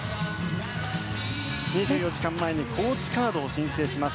２４時間前にコーチカードを申請します。